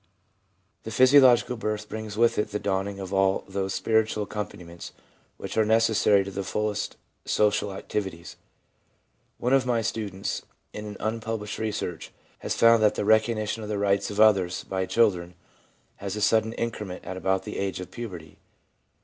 The physiological birth brings with it the dawning of all those spiritual accompani ments which are necessary to the fullest social activities. One of rny students, in an unpublished research, has found that the recognition of the rights of others by children has a sudden increment at about the age of puberty.